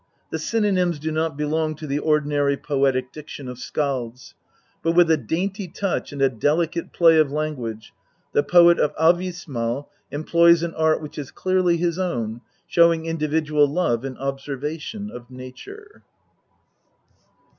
The synonyms do not belong to the ordinary poetic diction of skalds; but with a dainty touch and a delicate play of language the poet of Alvissmal employs an art which is clearly his own, showing individual love and observation of nature.